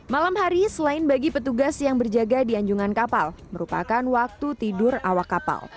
malam hari selain bagi petugas yang berjaga di anjungan kapal merupakan waktu tidur awak kapal